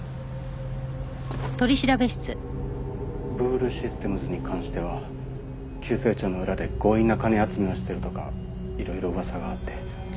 ブールシステムズに関しては急成長の裏で強引な金集めをしてるとかいろいろ噂があって。